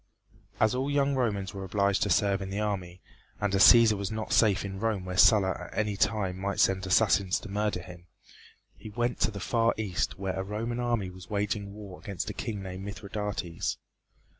As all young Romans were obliged to serve in the army, and as Cæsar was not safe in Rome where Sulla at any time might send assassins to murder him, he went to the far east where a Roman army was waging war against a king named Mithridates.